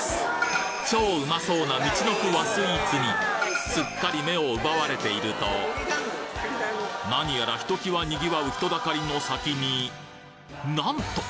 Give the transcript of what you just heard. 超うまそうなみちのく和スイーツにすっかり目を奪われていると何やらひと際賑わう人だかりの先になんと！